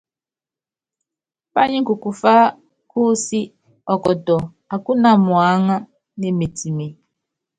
Pányi kukufá kúúsí, ɔkɔtɔ akúna muáŋá, nemetime.